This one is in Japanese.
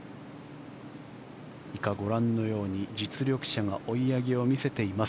以下、ご覧のように実力者が追い上げを見せています。